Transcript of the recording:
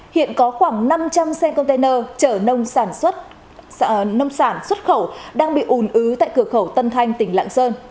hiện có khoảng năm trăm linh xe container chở nông sản xuất khẩu đang bị ủn ứ tại cửa khẩu tân thanh tỉnh lạng sơn